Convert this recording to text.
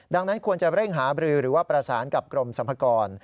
ดังนั้นควรจะเร่งหาบรือหรือว่าประสานกับกรมสรรพากร